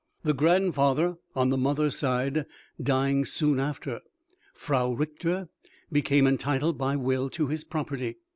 The grandfather on the mother's side dying soon after, Frau Richter became entitled by will to his property.